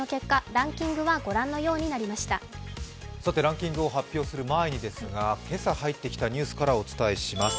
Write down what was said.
ランキングを発表する前に今朝入ってきたニュースからお伝えします。